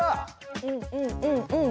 うんうんうんうん。